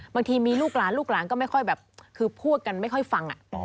บางทีมีลูกล้านก็พูดกันไม่ค่อยฟัง